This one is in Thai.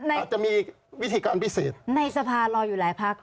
อาจจะมีวิธีการพิเศษในสภารออยู่หลายพัก